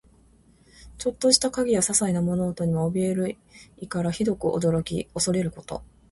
ちょっとした影やささいな物音にもおびえる意から、ひどく驚き怖れること。